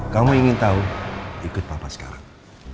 kamu ingin tahu ikut papa sekarang